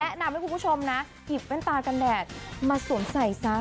แนะนำให้คุณผู้ชมนะหยิบแว่นตากันแดดมาสวมใส่ซะ